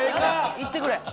いってくれ。